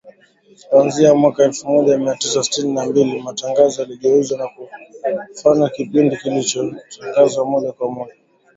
Kuanzia mwaka elfu moja mia tisa sitini na mbili matangazo yaligeuzwa na kufanywa kipindi kilichotangazwa moja kwa moja